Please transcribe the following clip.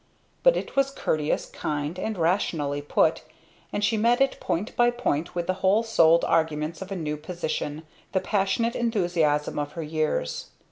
But it was courteous, kind, and rationally put, and she met it point by point with the whole souled arguments of a new position, the passionate enthusiasm of her years.